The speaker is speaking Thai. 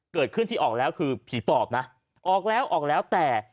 เกิดขึ้นที่ออกแล้วคือผีปอบนะออกแล้วออกแล้วแต่